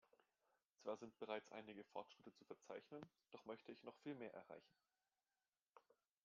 Zwar sind bereits einige Fortschritte zu verzeichnen, doch möchte ich noch viel mehr erreichen.